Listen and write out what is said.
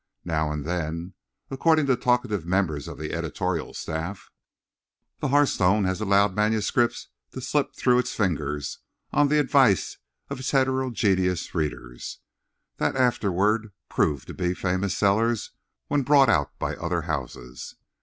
Now and then (according to talkative members of the editorial staff) the Hearthstone has allowed manuscripts to slip through its fingers on the advice of its heterogeneous readers, that afterward proved to be famous sellers when brought out by other houses.